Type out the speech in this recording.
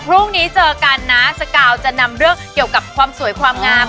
พรุ่งนี้เจอกันนะสกาวจะนำเรื่องเกี่ยวกับความสวยความงาม